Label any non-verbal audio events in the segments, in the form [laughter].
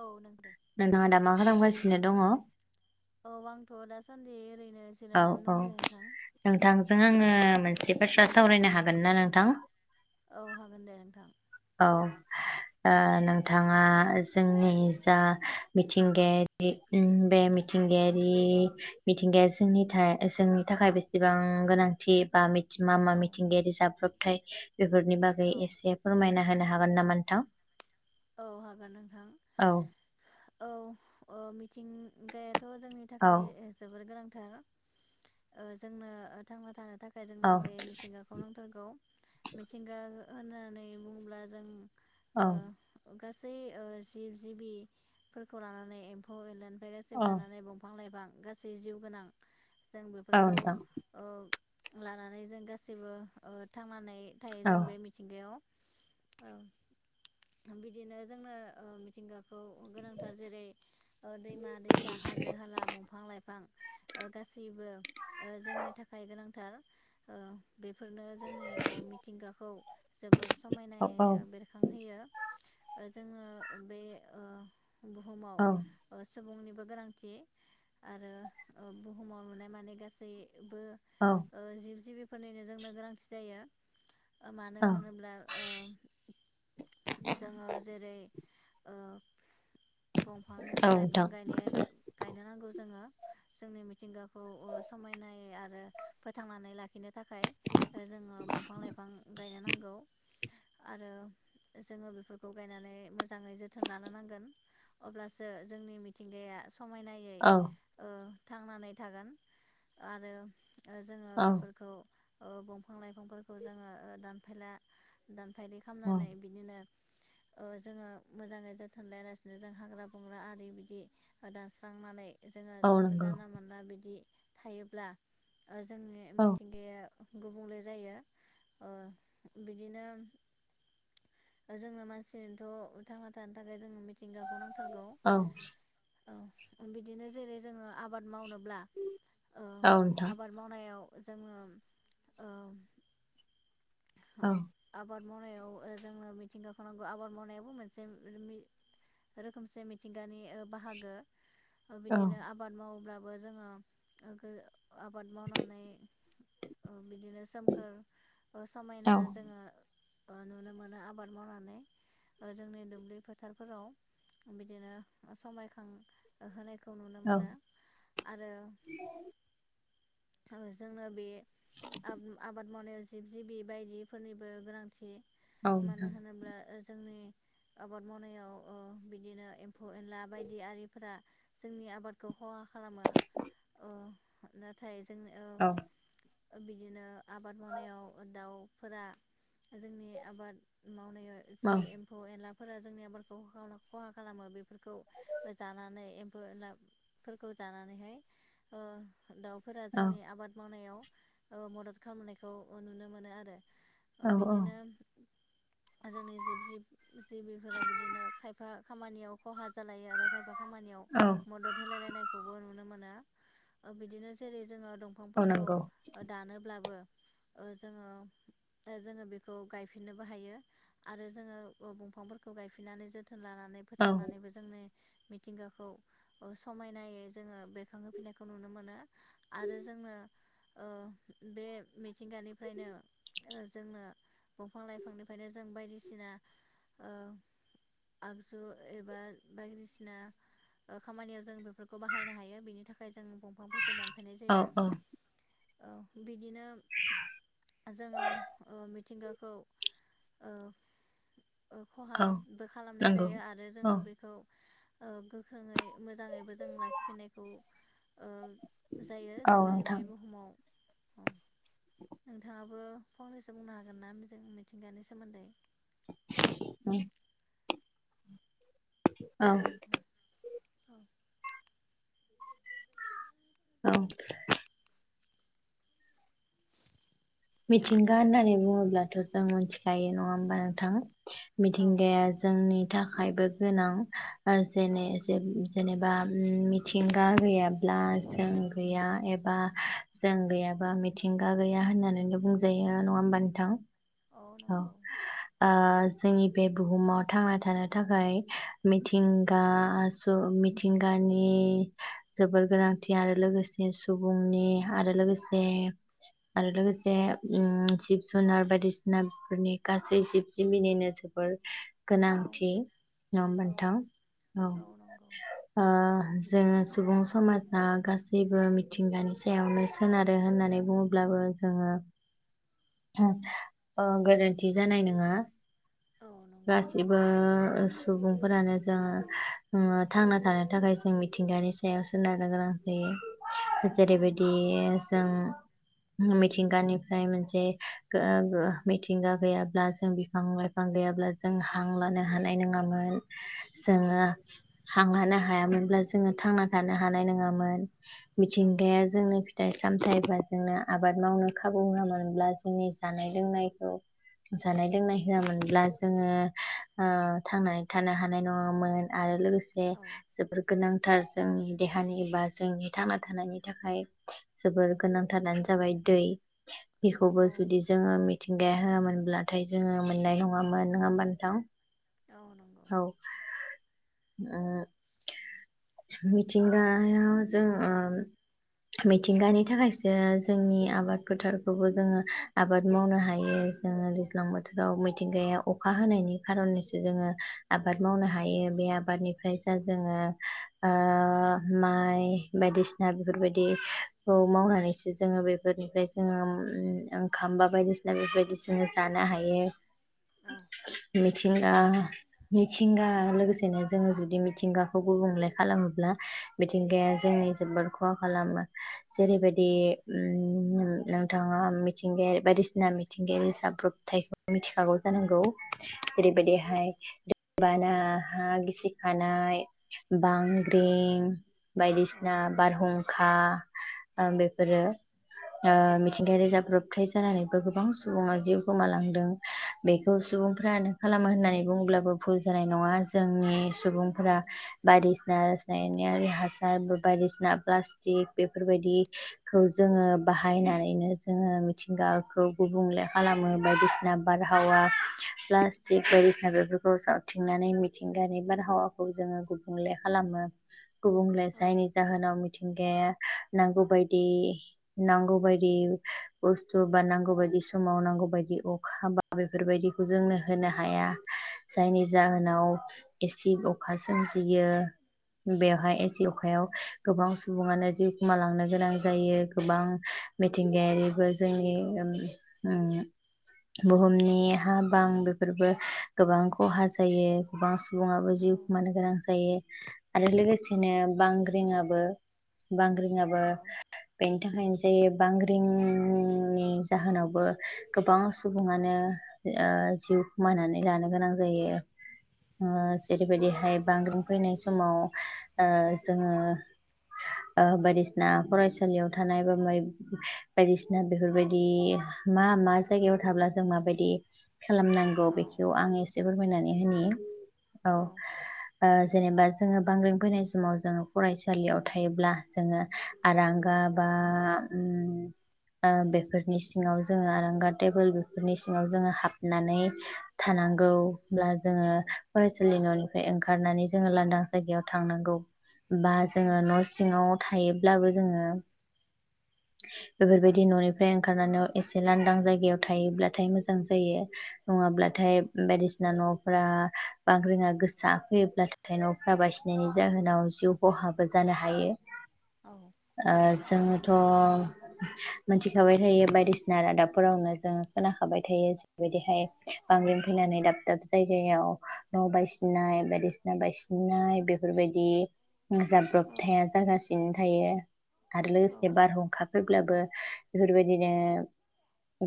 औ नों दे नोंथाङा दा मा खालामगासि? नो दङ। औ आंथ दासान्दि ओैरै औ औ नोंथांजों आङो मोनसे बाथ्रा सावरायनो हागोन ना नोंथां? औ हागोन दे नोंथां। औ ओ नोंथाङा जोंनि जा मिथिंगायारि बे मिथिंगायारि मिथिंगाया जोंनि था जोंनि थाखाय बेसेबां गोनांथि बा मि मा मा औ मिथिंगायारि जाब्रब थाय बेफोरनि बागै औ एसे फोरमायना होनो हागोन नामा नोंथां? औ हागोन नोंथां। औ औ ओ मिथिंगाया थ जोंनि औ थाखाय ओ जोबोर गोनां ओ जोंनो थांना थानो थाख औ जोंनो बे मिथिंगाखौ नांथारगौ मिथिंगा होननानै बुङोब्ला जों ओ औ गासै ओ जिब जिबिफोरखौ लानानै एम्फौ एनला औ लानानै दंफां लाइफां गासै जिउ गोनां जों औ बेफोरखौ नोंथां अ लानानै जों गासैबो ओ थांनानै थायो औ जों बे मिथिंगायाव औ थां बिदिनो जोंनो ओ मिथिंगा खौ गोनांथार जेरै ओ दैमा दैसा हाजो हाला दंफां लाइफां ओ गासैबो ओ जोंनि थाखाय गोनां हो औ बेफोरनो जोंनि ओ मिथिंगाखौ जोबोर औ औ समायनायै बेरखांहोयो। जोङो बे ओ बुहुमाव औ ओ सुबुंनिबो गोनांथि आरो बुहुमाव नुनाय माने गासै बो औ ओ जिब जिबि फोरनिनो जोंनो गोनांथि जायो। मानो औ होनोब्ला ओ जोङो जेरै ओ दंफां औ लाइफां नोंथां गायनाय गायनो नांगौ जोङो जोंनि मिथिंगाखौ समायनाय आरो फोथांनानै लाखिनो थाखाय जोङो दंफां लाइफां गायनो नांगौ आरो जोङो बेफोरखौ गायनानै मोजाङै जोथोन लानो नांगोन अब्लासो जोंनि मिथिंगाया समायना औ थांनानै थागोन आरो ओ जोङो औ बेफोरखौ औ दंफां लाइफांफोरखौ जोङो दानफायला फायलि औ खालामनानै ओ जोङो मोजाङै जोथोन लायालासिनो जों हाग्रा बंग्रा आरि बिदि दानस्रांनानै जोङो औ नंगौ जानला मोनला बिदि थायोब्ला जोंनि औ मिथिंगाया गुबुंले जायो ओ बिदिनो दा जोंनो मानसिथ थांना थानो थाखाय जोंङो मिथिंगाखौ नांथारग औ औ बिदिनो जेरै जोङो आबाद मावनो ब्ला औ आबाद मावनायाव जोङो ओ औ आबाद मावनायाव ओ जोंङो मिथिंगाखौनो आबाद मावनायाबो मोनसे रोखोमसे मिथिंगानि ओ बाहागो औ बिदिनो आबाद मावोब्ला बो जोङो आबाद मावनानै बिदिनो सोमखोर समायना औ जोङो नुनो मोनो आबाद मावनानै जोंनि दुब्लि फोथारफोराव बिदिनो समायखां होनाय खौ नुनो औ मोनो आरो ओ जोंनो बे आब-आबाद मावनायाव जे जिबि बायदिफोरनिबो गोनांथि औ मानो नोंथां होनोब्ला ओ जोंनि आबाद मावनायाव अ बिदिनो एम्फौ एनला बायदि आरिफोरा जोंनि आबादखौ खहा खालामो अ नाथाय जों औ ओ बिदिनो आबाद मावनायाव अ दाउफोरा जोंनि आबाद मावनायाव औ जि एम्फौ एनला फोरा जोंनि आबादखौ खल खहा खालामो बे बेफोरखौ जानानै बोलाब फोरखौ जानानैहाय ओ दाउ फोरा जोंनि आबाद मावनायाव ओ मदद खालामनायखौ अ नुनो मोनो आरो ओ औ बिदिनो जोंनि जिब जिबिफोरा बिदिनो खायफा खामानियाव खहा जालायो आरो खायफा खामानियाव औ मदद होलाय लायनायखौबो नुनो मोना। ओ बिदिनोसै जोंङो औ दंफांफोरखौ नंगौ ओ दानोब्लाबो ओ जोङो जोङो बेखौ गायफिननोबो हायो आरो जोङो बमफांफोरखौ गायफिननानै जोथ थोन लानानै औ फोथांनानैबो जोंनि मिथिंगाखौ अ समायनायै जोङो बेरखांहोफिननायखौ नुनो मोनो आरो जोङो ओ बे मिथ मिथिंगानिफ्रायनो ओ जोंनो दंफां लाइफांनिफ्रायनो जों बायदिसिना ओ आगजु एबा बायदिसिना ओ खामानियाव जों बेब फोरखौ बाहायनो हायो बेनि थाखाय जों दंफांफोरखौ दानफायनाय औ जायो। औ औ बिदिनो जोङो ओ मिथ मिथिंगाखौ ओ ओ औ खहाबो खालामनाय नंगौ जायो आरो औ जोङो बेखौ ओ गोख्रोङै मोजाङैबो जों लाखिफिनायखौ ओ जायो औ जोंनि बे नोंथां बुहुमाव अ नोंथाङाबो फंनैसो बुंनो हागोन ना मोजांङै मिथिंगानि सोमोन्दै? उम [inaudible] औ [inaudible] औ मिथिंगा होननानै बुङोब्लाथ' जों मिथिखायो नङा होमबा नोंथां औ मिथिंगाया जोंनि थाखायबो गोनां बा औ जेने जेब जेनेबा उम मिथिंगा गैयाब ब्ला जों गैया एब बा जों गैयाबा मिथिंगा गैया होननानै ओनो बुंजायो नङा होमबा नोंथां? औ ओ जोंनि बे बुहुमाव थांना थानो थाखाय मिथिंगा जु मिथिंगानि जोबोर गोनांथि आरो लोगोसे सुबुंनि आरो लोगोसे आरो लोगोस जे ओम जिब जुनार बायदिसिना बेफोरनि गासै जिब जिबिनिनो जोबोर औ गोनांथि नङा होनबा औ नोंथां औ ओ जोङो सुबुं समाजा गासैबो मिथिंगानि सायावनो सोनारो होननानै बुङोब्लाबो जोङो [unintelligible] ओ गोरोन्थि जानाय नोङा। औ नंगौ गासिबो ओ सुबुंफोरानो जों ओं थांना थानो थाखाय जों मिथिंगानि सायाव सोनारनो गोनां जायो औ जेरैबायदि जों मिथिंगानिफ्राय मोनसे गो गो मिथिंगा गैयाब्ला जों बिफां लाइफां गैयाब्ला जों हां लानो हानाय नोङामोन। जोङा हां लानो हायामोनब्ला जोङो थांना थानो हानाय नोङामोन। औ मिथिंगाया जोंनो थाइ सामथायबा जोंना आबाद मावनो खाबु होआमोनब्ला जोंनि जानाय लोंनायखौ जानाय लोंनाय होआमोनब्ला जोङो ओ थांनानै थानो हानाय नङामोन आरो लोगोस से औ जोबोर गोनां थार जोंनि देहानि एबा जोंनि थांना थानायनि थाखाय जोबोर गोनांथारानो ज जाबाय दै। औ बेखौबो जुदि जोङो मि थिंगाया होआोनब्लाथाय जोङो मोननाय नङामोन नोङा होमबा नोंथां? औ नंगौ औ ओ मिथिंगाया जों ओम मिथिंगानि थाखायसो जोंनि आबाद फोथारखौबो जोङो आबाद मावनो हायो जोङो दैज्लां बोथोराव मिथिंगाया अखा हानायनि खारनैसो जोङो आबाद मावनो हायो बे आबादनिफ्राय जा जोङो ओ माइ बायदिसिना बेफोरबायदिखौ मावनानैसो जोङो बेफोरनिफ्राय जोङो उम ओंखाम बा बायदिसिना बेफोरबायदि जोङो जानो हायो। औ मि थिंगा मिथिंगा लोगोसेनो जोङो जुदि मिथिंगाखौ गुबुंले खालामोब्ला मिथिंगाया जोंनि जोबोद ख'हा खालामो जेरैबायदि औ ओम नोंथाङा मिथिंगायारि बायदिसिना मिथिंगायारि जाब्रबथायखौ मिथिखागौ जानांगौ? औ ओरैबायदिहाय बाना हा गिसिखानाय बांग्रिं औ बायदिसिना बारहुंखा ओ बेफोरो ओ औ मिथिंगायारि जाब्रब थाय जानानैबो गोबां सुबुङा जिउ गोमालांदों बेखौ सुबुंफ्रानो खालामो होननानै बुंङोब्लाबो भुल जानाय नङा जोंनि औ सुबुंफोरा बायदिसि ना रासायनारि हासार बायदिसिना प्लास्टिक बेफोरबायदिखौ जोङो बाहायनानैनो जोङो मिथिंगाखौ गुबुंले खालामो बायदिसिना बारहावा प्लास्टिक बायदिसिना बेफोरखौ सावथिंनानै मिथिंगानि बारहावाखौ जोङो गुबुंले खालामो। गुबुंले औ जायनि जाहोनाव मिथिंगाया नांगौ बायदि नांगौ बायदि बुस्थु बा नांगौ बायदि समाव नांगौ बायदि अखा बा बेफोरबायदिखौ जोंनो होनो हाया जायनि जाहोनाव एसिद अखा सोमजियो बेवहाय एसि अखायाव गोबां सुबुङानो जिउ खोमालांनो गोनां जायो। गोबां मिथिंगायारिफोर जोंनि ओम ओ बुहुमनि हा बां बेफोरबो गोबां खहा जायो गोबां सुबुङाबो जिउ खोमानो गोनां जायो आरो लोगोसेनो बांग्रिंआबो बां [unintelligible] बेनि थाखायनो जायो बांग्रिं नि जाहोनावबो गोबां सुबुङानो ओ जिउ खोमानानै लानो गोनां जायो ओ जेरैबायदिहाय बांग्रिं फैनाय समाव ओ जोङो ओ बायदिसिना फरायसा याव थानाय बा माय बायदिसिना बेफोर बायदि मा मा जायगायाव थाब्ला जों माबायदि खालामनांगौ बेखौ आङो एसे एसे फोरमायनानै औ जेनेबा जोङो बांग्र फैनाय समाव जो फरायसालियाव थायोब्ला जोङो गा बा बेफोरनि सिङाव जोङो आरांगा टेबोल बेफोरनि सिङाव जोङो हाबनानै थानांगौ होनोमब्ला जोङो फरायसालि न'नि ओमफ्राय ओंखारनानै जोङो लांदां जायगायाव थांनांगौ बा औ जोङो न' सिङाव थायोब्लाबो जोङो बेफोरबायदि न'निफ्राय ओंखारनानै एसे लांदां जायगायाव थायोब्लाथाय मोजां जायो नङाब्लाथाय बायदिसिना न' फोरा बांग्रोङा गोसा फैयोब्लाथाय न'फ्रा बायसिनायनि जाहोनाव जिउ खहाबो जानो हायो आ जङोथ' मिथिखाबाय थायो बायदिसिना रादाबफोरावनो जों खोनाखाबाय थायो जेरैबायदिहाय बांग्रिं फैनानै दाब दाब जायगायाव न' बायसिननाय बायदिसिना बायसिननाय बेफोरबायदि जाब्रबथाया जागासिनो थायो आरो लोगोसे बारहुंखा फैब्लाबो बेफोरबायदिनो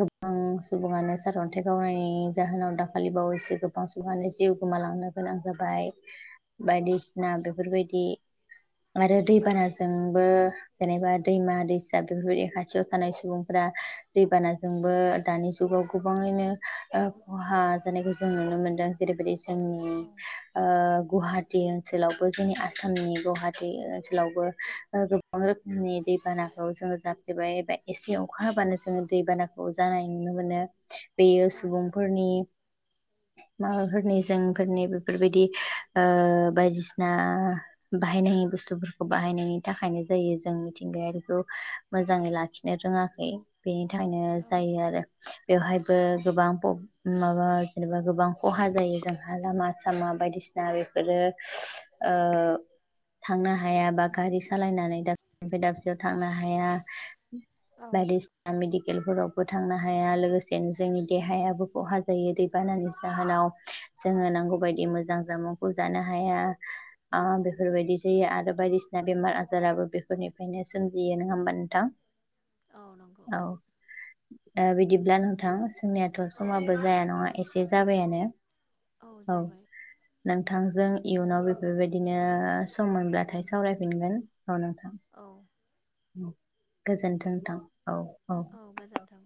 गोबां सुबुङानो सारअन्थाइ गावनायनि जाहोनाव दाखालि बावैसे गोबां सुबुङानो जिउ गोमालांनो गोनां जाबाय बायदिसिना बेफोरबायदि आरो दैबानाजोंबो जेनेबा दैमा दैसा बेफोरबायदि खाथियाव थानाय सुबुंफोरा दैबाना जोंबो दानि जुगाव गोबाङैनो खहा जानायखौ जों नुनो मोनदों जेरैबायदि जोंनि गुवाहाटि ओनसोलावबो जोंनि आसामनि गुवाहाटि ओनसोलावबो गो गोबां रोखोमनि दैबानाखौ जोङो जाफ्लेबाया एसे अखा होबानो जोङो दैबानाखौ जानाय नुनो मोनो बेयो सुबुंफोरनि माबाफोरनि जोंफोरनि बेफोरबायदि बायदिसिना बाहायनायनि बुस्थुफोरखौ बाहायनायनि थाखायनो जायो जों मिथिंगायारिखौ मोजाङै लाखिनो रोङाखै बे निथाखायनो जायो आरो बेवहायबो गोबां माबा जेनेबा गोबां खहा जायो जोंहा लामा सामा बायदिसिना बेफोरो थांनो हाया बा गारि सालायनानै दाब [unintelligible] दाबसेयाव थांनो हाया बायदिसिना मे केलफोरावबो थांनो हाया लोगोसेनो जोंनि देहायाबो खहा जायो दैबानानि जाहोनाव जोङो नांगौ बायदि मोजां जामुंखौ जानो हाया ओ बेफोरबायदि जायो। आरो बायदिसिना बेमार-आजाराबो बेनिफ्रायनो सोमजियो नङा होमबा नोंथां। औ नंगौ औ बिदिब्ला नोंथां जोंनियाथ' औ समाबो जाया नङा एसे एसे जाबायानो औ नोंथांजों इयुनाव बेफोरबायदिनो सम मोनब्लाथाय सावरायफिनगोन। औ गोजोनथों नींथां। औ गोजोनथीं।